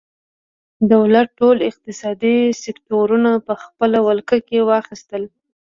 دولت ټول اقتصادي سکتورونه په خپله ولکه کې واخیستل.